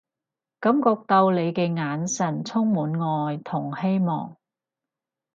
感覺到你嘅眼神充滿愛同希望